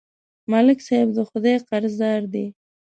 ملک صاحب د خدای قرضدار دی.